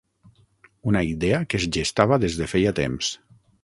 Una idea que es gestava des de feia temps.